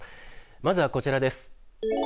まずはこちらです。